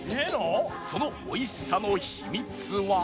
その美味しさの秘密は